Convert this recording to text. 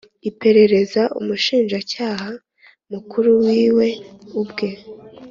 iperereza Umushinjacyaha Mukuru ni we ubwe